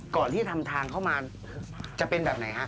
ก่อนที่จะทำทางเข้ามาจะเป็นแบบไหนฮะ